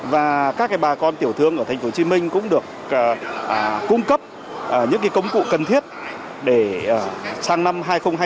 và các bà con tiểu thương ở tp hcm cũng được cung cấp những công cụ cần thiết để sang năm hai nghìn hai mươi bốn